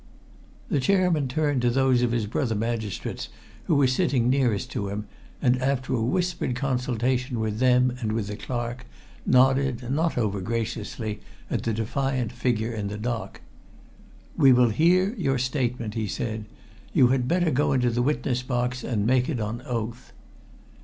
The chairman turned to those of his brother magistrates who were sitting nearest to him and, after a whispered consultation with them and with the clerk, nodded not over graciously at the defiant figure in the dock. "We will hear your statement," he said. "You had better go into the witness box and make it on oath."